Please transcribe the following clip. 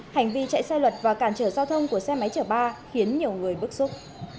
hành vi chạy sai luật và cản trở giao thông của xe máy chở ba khiến nhiều người bức xúc